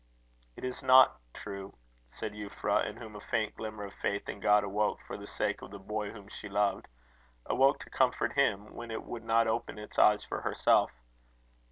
"It is not true," said Euphra, in whom a faint glimmer of faith in God awoke for the sake of the boy whom she loved awoke to comfort him, when it would not open its eyes for herself.